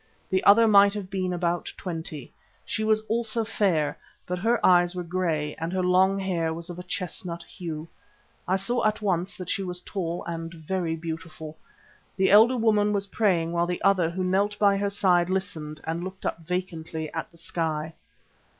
The other might have been about twenty. She also was fair, but her eyes were grey and her long hair was of a chestnut hue. I saw at once that she was tall and very beautiful. The elder woman was praying, while the other, who knelt by her side, listened and looked up vacantly at the sky.